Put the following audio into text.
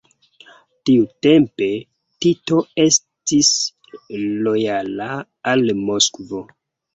Tiutempe Tito estis lojala al Moskvo.